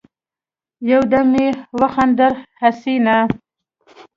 يودم يې وخندل: حسينه!